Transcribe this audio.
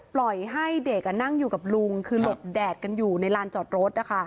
ปล่อยให้เด็กนั่งอยู่กับลุงคือหลบแดดกันอยู่ในลานจอดรถ